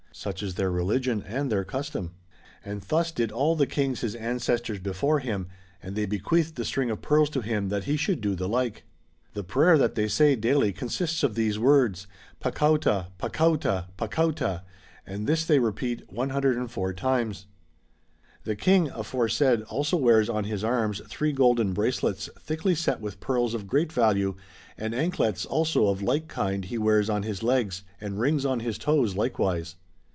Such is their religion, and their custom. And thus did all the Kings his ancestors before him, and they bequeathed the string of pearls to him that he should do the like. [The prayer that they say daily consists of these words, Pacauta ! Pacauta ! Pacauta ! And this they repeat 1 04 times.^] The King aforesaid also wears on his arms three golden bracelets thickly set with pearls of great value, and anklets also of like kind he wears on his legs, and rings on his toes likewise.